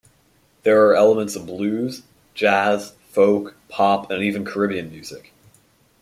There are elements of blues, jazz, folk, pop, and even Caribbean music.